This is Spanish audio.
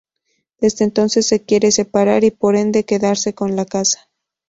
Desde entonces se quiere separar y por ende quedarse con la casa.